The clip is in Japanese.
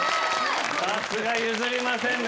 さすが譲りませんね